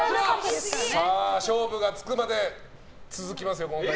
勝負がつくまで続きますよ。